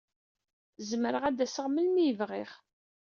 Zemreɣ ad d-aseɣ melmi ay bɣiɣ.